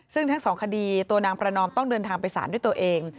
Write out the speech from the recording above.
ซึ่งทั้งสองคดีตัวนางประนอมต้องเดินทางไปสารด้วยตัวเอง